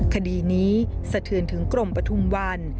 คดีนี้สะเทือนถึงกรมปฐุมวัน